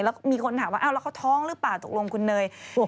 แล้วก็มีคนถามว่าแล้วเขาท้องหรือเปล่าตกลงคุณเนย